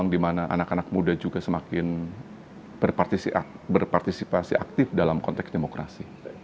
dimana anak anak muda juga semakin berpartisipasi aktif dalam konteks demokrasi